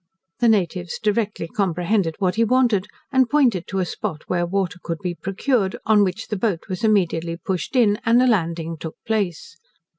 The natives directly comprehended what he wanted, and pointed to a spot where water could be procured; on which the boat was immediately pushed in, and a landing took place.